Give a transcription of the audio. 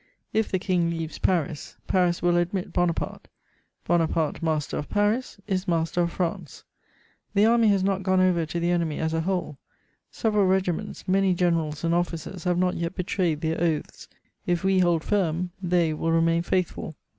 If the King leaves Paris, Paris will admit Bonaparte; Bonaparte master of Paris is master of France. The army has not gone over to the enemy as a whole; several regiments, many generals and officers have not yet betrayed their oaths: if we hold firm, they will remain faithful.